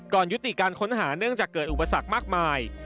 ยุติการค้นหาเนื่องจากเกิดอุปสรรคมากมาย